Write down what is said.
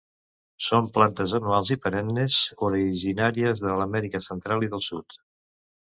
Són plantes anuals i perennes originàries de l'Amèrica Central i del sud.